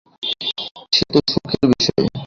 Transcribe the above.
সে তো সুখের বিষয়।